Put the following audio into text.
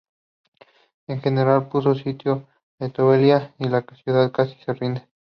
El general puso sitio a Betulia y la ciudad casi se rinde.